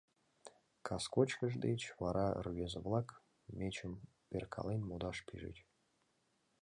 Кас кочкыш деч вара рвезе-влак мечым перкален модаш пижыч.